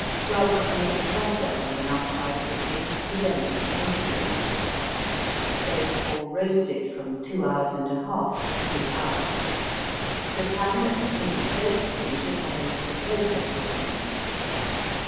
Rub a little butter on the outside of the pig, to prevent its blistering. Bake or roast it from two hours and a half, to three hours. The pan that the pig is baked in should have a little water put in it.